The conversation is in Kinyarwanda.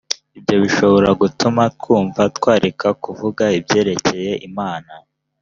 ibyo bishobora gutuma twumva twareka kuvuga ibyerekeye imana